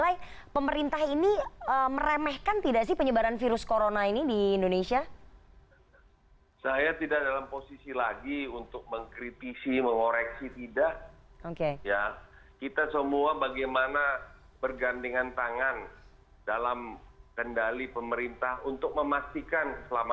artinya masa inkubasi yang